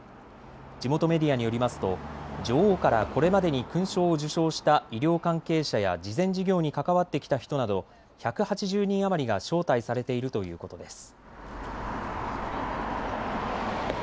地元メディアによりますと女王からこれまでに勲章を受章した医療関係者や慈善事業に関わってきた人など１８０人余りが招待されているということです。